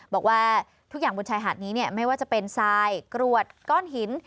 บอกว่าทุกอย่างบนชายหาดนี้ไม่ว่าจะเป็นทรายกรวดก้อนหิน